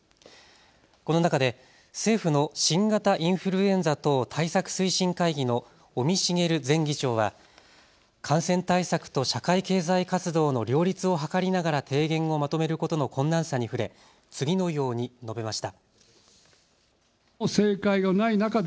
この中で政府の新型インフルエンザ等対策推進会議の尾身茂前議長は感染対策と社会経済活動の両立を図りながら提言をまとめることの困難さに触れ次のように述べました。